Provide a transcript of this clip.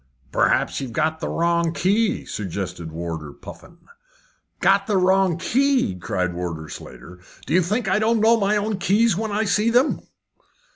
"Perhaps you've got the wrong key?" suggested Warder Puffin. "Got the wrong key!" cried Warder Slater. "Do you think I don't know my own keys when I see them?"